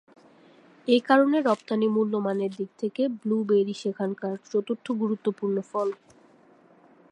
এ কারণে রপ্তানি মূল্যমানের দিক থেকে ব্লুবেরি সেখানকার চতুর্থ গুরুত্বপূর্ণ ফল।